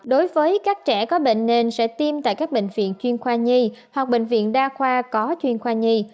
đối với các trẻ có bệnh nền sẽ tiêm tại các bệnh viện chuyên khoa nhi hoặc bệnh viện đa khoa có chuyên khoa nhi